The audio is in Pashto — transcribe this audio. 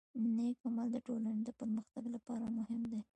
نیک عمل د ټولنې د پرمختګ لپاره مهم دی.